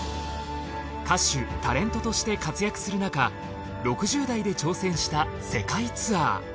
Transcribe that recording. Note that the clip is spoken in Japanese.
歌手タレントとして活躍するなか６０代で挑戦した世界ツアー。